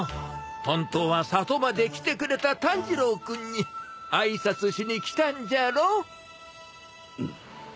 本当は里まで来てくれた炭治郎君に挨拶しに来たんじゃろ。